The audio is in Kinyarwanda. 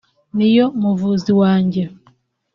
niyo muvuzi wanjye